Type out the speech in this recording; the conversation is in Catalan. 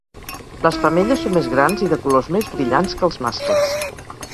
Les femelles són més grans i de colors més brillants que els mascles.